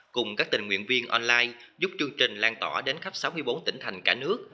cùng các tình nguyện viên online giúp chương trình lan tỏa đến khắp sáu mươi bốn tỉnh thành cả nước